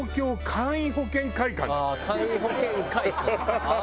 簡易保険会館あ